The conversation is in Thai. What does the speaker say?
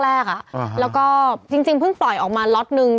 แล้วก็จริงเพิ่งปล่อยออกมาล็อตนึง